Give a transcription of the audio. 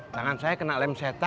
tangan saya kena lem setan